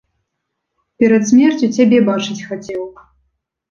Перад смерцю цябе бачыць хацеў.